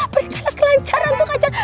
berikanlah kelancaran tuh kacaran